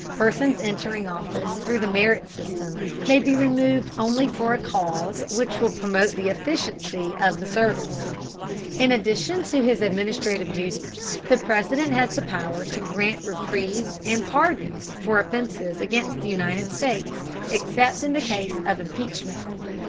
Persons entering office through the merit system, may be removed only for a cause which will promote the efficiency of the service. In addition to his administrative duties, the President has the power to grant reprieves and pardons for offenses against the United States, except in the case of impeachment.